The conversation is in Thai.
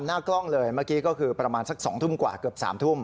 หน้ากล้องเลยเมื่อกี้ก็คือประมาณสัก๒ทุ่มกว่าเกือบ๓ทุ่ม